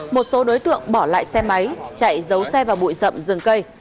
một số đối tượng bỏ lại xe máy chạy giấu xe vào bụi rậm dừng cây